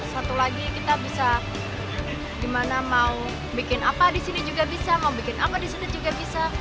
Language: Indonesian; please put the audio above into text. satu lagi kita bisa gimana mau bikin apa disini juga bisa mau bikin apa disini juga bisa